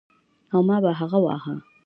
او ما به هغه واهه.